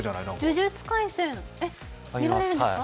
「呪術廻戦」見られるんですか？